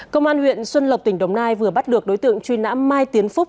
công an huyện xuân lộc tỉnh đồng nai vừa bắt được đối tượng truy nã mai tiến phúc